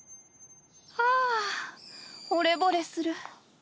ああほれぼれする。